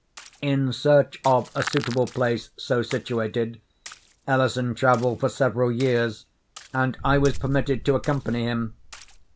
In search of a suitable place so situated, Ellison travelled for several years, and I was permitted to accompany him.